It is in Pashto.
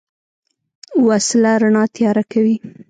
وسله رڼا تیاره کوي